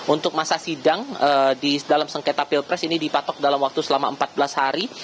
untuk masa sidang di dalam sengketa pilpres ini dipatok dalam waktu selama empat belas hari